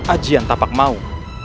ajihan tapak mau